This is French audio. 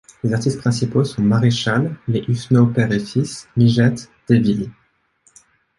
Les artistes principaux sont Maréchal, les Hussenot père et fils, Migette, Devilly.